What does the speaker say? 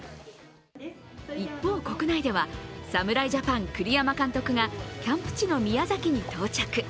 一方、国内では侍ジャパン栗山監督がキャンプ地の宮崎に到着。